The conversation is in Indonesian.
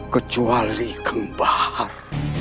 kecuali kang bahar